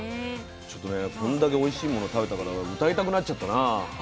ちょっとねこんだけおいしいもの食べたから歌いたくなっちゃったな。